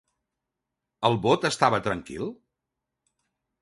El bot estava tranquil?